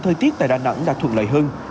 thời tiết tại đà nẵng đã thuận lợi hơn